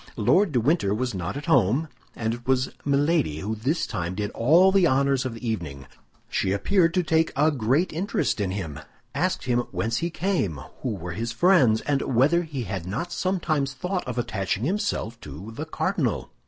Lord de Winter was not at home; and it was Milady who this time did all the honors of the evening. She appeared to take a great interest in him, asked him whence he came, who were his friends, and whether he had not sometimes thought of attaching himself to the cardinal.